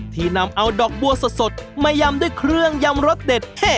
ที่นำเอาดอกบัวสดมายำด้วยเครื่องยำรสเด็ด